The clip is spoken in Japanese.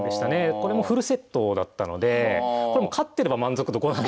これもフルセットだったのでこれも勝ってれば満足度５なんですけど。